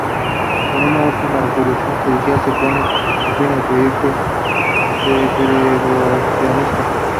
Con esta última resolución judicial se pone fin al proyecto segregacionista.